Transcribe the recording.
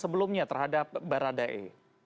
sebelumnya terhadap barada e